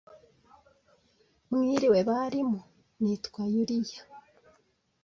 Mwiriwe barimu, nitwa Yuliya.